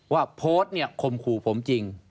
ว่าโพสต์คุมคู่ผมจริง